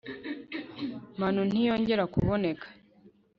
manu ntiyongera kuboneka